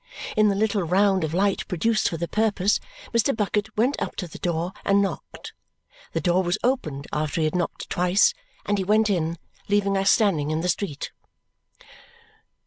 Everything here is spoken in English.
In the little round of light produced for the purpose, Mr. Bucket went up to the door and knocked. The door was opened after he had knocked twice, and he went in, leaving us standing in the street.